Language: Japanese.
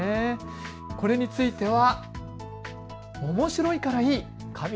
これについては。